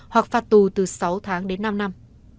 hoặc phạt tù từ sáu tháng đến năm năm